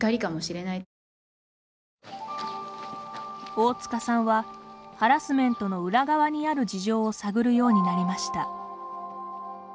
大塚さんはハラスメントの裏側にある事情を探るようになりました。